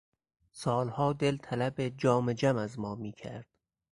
سالها دل طلب جام جم از ما میکرد.